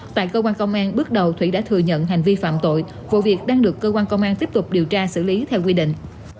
tại cơ quan công an bước đầu thủy đã thừa nhận hành vi phạm tội vụ việc đang được cơ quan công an tiếp tục điều tra xử lý theo quy định